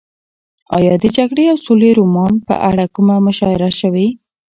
ایا د جګړې او سولې رومان په اړه کومه مشاعره شوې؟